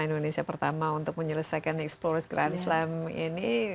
indonesia pertama untuk menyelesaikan explores grand slam ini